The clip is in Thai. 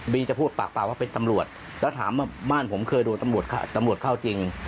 จะพูดปากเปล่าว่าเป็นตำรวจแล้วถามว่าบ้านผมเคยโดนตำรวจเข้าจริง